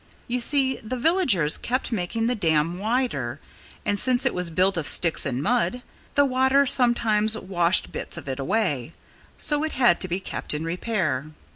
You see, the villagers kept making the dam wider. And since it was built of sticks and mud, the water sometimes washed bits of it away: so it had to be kept in repair.